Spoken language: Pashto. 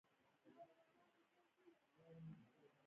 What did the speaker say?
پیاز د خولې خوند بدلوي